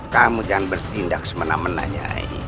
kamu jangan bertindak semenang menangnya